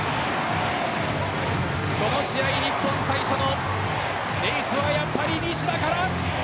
この試合日本、最初のエースはやっぱり西田から。